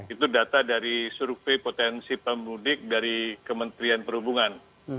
itu data dari survei potensi pemudik dari kementerian perhubungan